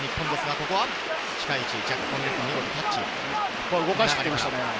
ここはキャッチ。